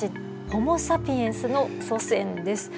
ホモ・サピエンスの祖先です。